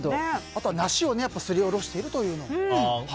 あとは、ナシをすりおろしているというのも。